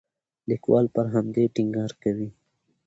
لیکوال پر همدې ټینګار کوي.